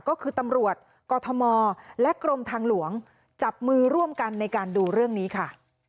ก็คือตำรวจกอทมและกรมทางหลวงจับมือร่วมกันในการดูเรื่องนี้ค่ะ